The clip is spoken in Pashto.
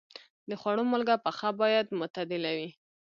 د خوړو مالګه پخه باید معتدله وي.